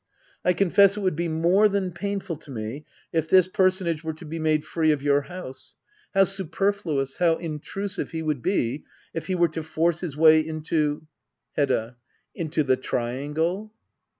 I confess it would be more than painful to me if this personage were to be made free of your house. How superfluous, how intrusive, he would be, if he were to force his way into Hedda. into the triangle